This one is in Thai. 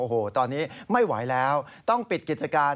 โอ้โหตอนนี้ไม่ไหวแล้วต้องปิดกิจการ